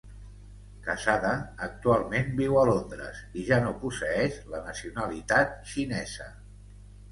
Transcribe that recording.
Casada, actualment viu a Londres i ja no posseeix la nacionalitat xinesa.